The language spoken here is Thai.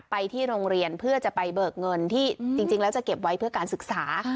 ไปที่โรงเรียนเพื่อจะไปเบิกเงินที่จริงแล้วจะเก็บไว้เพื่อการศึกษา